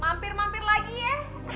mampir mampir lagi ya